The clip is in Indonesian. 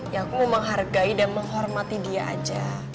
ya aku menghargai dan menghormati dia aja